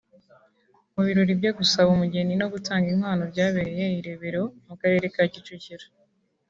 Mu birori byo gusaba umugeni no gutanga inkwano byabereye i Rebero mu Karere ka Kicukiro